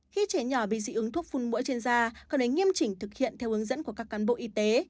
khi trẻ nhỏ bị dị ứng thuốc phun mũi trên da cần nghiêm chỉnh thực hiện theo hướng dẫn của các cán bộ y tế